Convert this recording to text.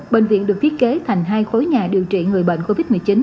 bệnh viện được thiết kế thành hai khối nhà điều trị người bệnh covid một mươi chín